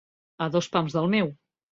A dos pams del meu.